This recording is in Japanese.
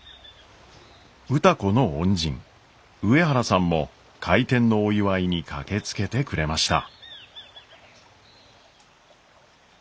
歌子の恩人上原さんも開店のお祝いに駆けつけてくれました。